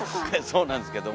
そうなんですけども。